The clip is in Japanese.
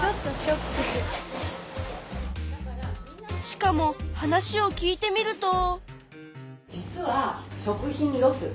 しかも話を聞いてみると。